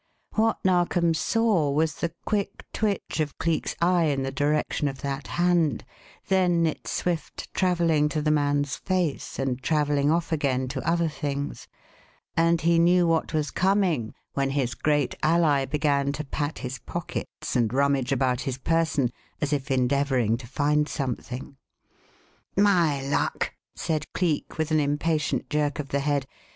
What Narkom saw was the quick twitch of Cleek's eye in the direction of that hand, then its swift travelling to the man's face and travelling off again to other things; and he knew what was coming when his great ally began to pat his pockets and rummage about his person as if endeavouring to find something. "My luck!" said Cleek, with an impatient jerk of the head.